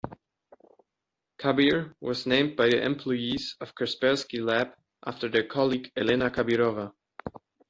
Cabir was named by the employees of Kaspersky Lab after their colleague Elena Kabirova.